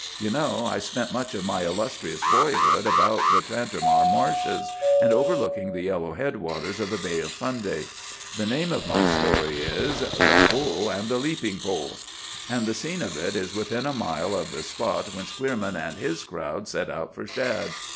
You know, I spent much of my illustrious boyhood about the Tantramar marshes, and overlooking the yellow head waters of the Bay of Fundy. The name of my story is, 'The Bull and the Leaping Pole,' and the scene of it is within a mile of the spot whence Queerman and his crowd set out for shad.